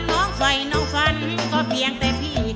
น้องใส่น้องฟันก็เพียงแต่พี่